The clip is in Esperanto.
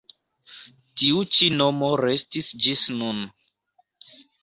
Tiu ĉi nomo restis ĝis nun.